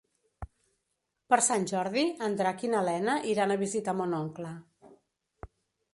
Per Sant Jordi en Drac i na Lena iran a visitar mon oncle.